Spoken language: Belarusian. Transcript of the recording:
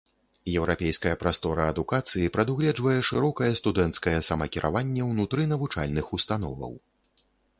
Еўрапейская прастора адукацыі прадугледжвае шырокае студэнцкае самакіраванне ўнутры навучальных установаў.